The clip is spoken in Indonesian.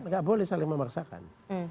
gak boleh saling memaksakan